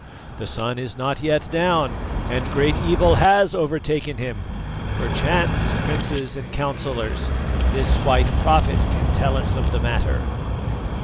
The sun is not yet down, and great evil has overtaken him. Perchance, Princes and Councillors, this white prophet can tell us of the matter."